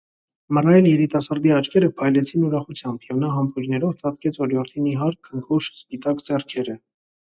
Մռայլ երիտասարդի աչքերը փայլեցին ուրախությամբ, և նա համբույրներով ծածկեց օրիորդի նիհար, քնքուշ, սպիտակ ձեռքերը: